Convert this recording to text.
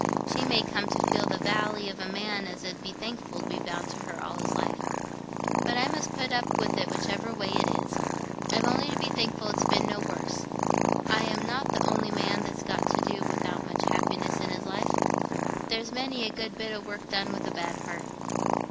She may come to feel the vally of a man as 'ud be thankful to be bound to her all his life. But I must put up with it whichever way it is—I've only to be thankful it's been no worse. I am not th' only man that's got to do without much happiness i' this life. There's many a good bit o' work done with a bad heart.